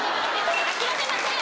諦めません！